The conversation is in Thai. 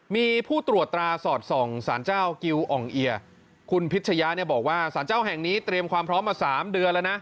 มีผู้ตรวจตราสอดส่องสารเจ้ากิวอ่องเอียคุณพิชยะเนี่ยบอกว่าสารเจ้าแห่งนี้เตรียมความพร้อมมา๓เดือนแล้วนะ